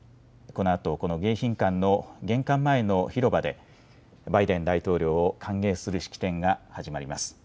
このあと迎賓館の玄関前の広場でバイデン大統領を歓迎する式典が始まります。